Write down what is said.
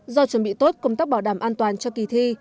do chuẩn bị tốt công tác bảo đảm an toàn cho kỳ thi